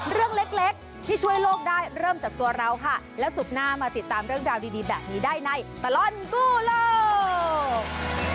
เรื่องเล็กที่ช่วยโลกได้เริ่มจากตัวเราค่ะแล้วศุกร์หน้ามาติดตามเรื่องราวดีแบบนี้ได้ในตลอดกู้โลก